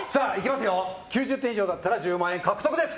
９０点以上だったら１０万円獲得です。